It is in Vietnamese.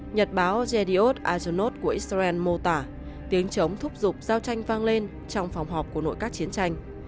nhật báo jios azonos của israel mô tả tiếng chống thúc giục giao tranh vang lên trong phòng họp của nội các chiến tranh